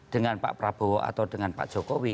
dengan pak prabowo atau dengan pak jokowi